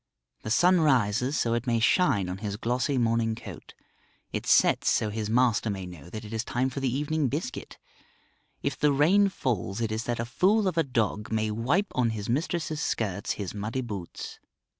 The sun rises so it may shine on his glossy morning coat; it sets so his master may know that it is time for the evening biscuit; if the rain falls it is that a fool of a dog may wipe on his mistress's skirts his muddy boots.